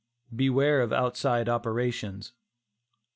BEWARE OF "OUTSIDE OPERATIONS."